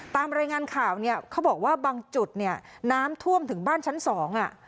ตามรายงานข่าวเนี่ยเขาบอกว่าบางจุดเนี่ยน้ำท่วมถึงบ้านชั้นสองอ่ะ